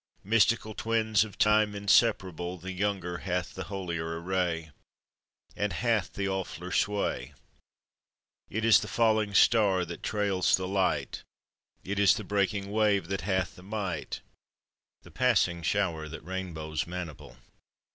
Mystical twins of Time inseparable, The younger hath the holier array, And hath the awfuller sway: It is the falling star that trails the light, It is the breaking wave that hath the might, The passing shower that rainbows maniple.